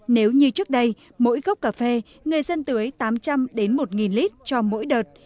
nếu như trước đây mỗi gốc cà phê người dân tưới tám trăm linh đến một lít cho mỗi đợt